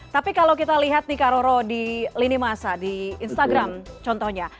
tapi kalau kita lihat nih karoro di lini masa di instagram contohnya